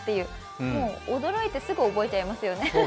驚いて、すぐ覚えちゃいますよね。